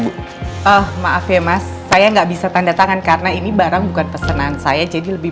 bu maaf ya mas saya nggak bisa tanda tangan karena ini barang bukan pesanan saya jadi lebih